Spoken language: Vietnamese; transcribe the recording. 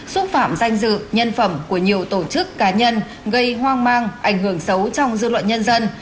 xúc phạm danh dự nhân phẩm của nhiều tổ chức cá nhân gây hoang mang ảnh hưởng xấu trong dư luận nhân dân